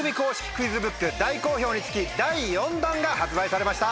クイズブック大好評につき第４弾が発売されました。